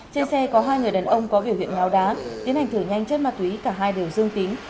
trên xe có hai người đàn ông có biểu hiện ngáo đá tiến hành thử nhanh chất ma túy cả hai đều dương tính